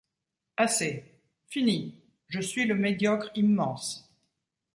Assez. — Finis. — Je suis le Médiocre immense.